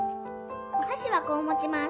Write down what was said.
お箸はこう持ちます。